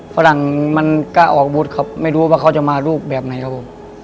ฝรั่งมันกล้าออกอาวุธครับไม่รู้ว่าเขาจะมารูปแบบไหนครับผม